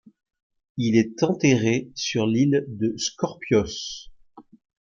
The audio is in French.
Il est enterré sur l'île de Skorpios.